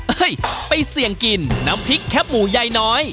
ไปเสี่ยงกินน้ำพริกแคปหมูยายน้อย